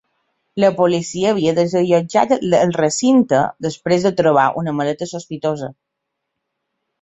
La policia havia desallotjat el recinte després de trobar una maleta sospitosa.